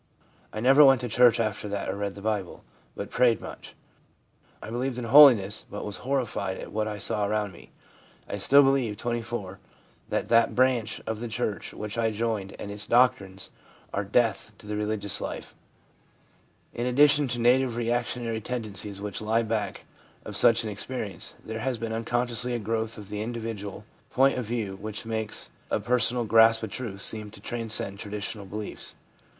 I never went to church after that or read the Bible, but prayed much. I believed in holiness, but was horrified at what I saw around me. I still believe (24) that that branch of the church which I joined and its doctrines are death to the religious life/ In addition to the native reactionary tendencies which lie back of such an experience, there has been unconsciously a growth of the individual point of view which makes a personal grasp of truth seem to transcend traditional beliefs.